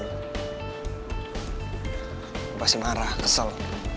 lo pasti marah kesel